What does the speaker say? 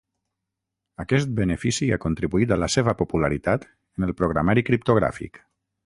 Aquest benefici ha contribuït a la seva popularitat en el programari criptogràfic.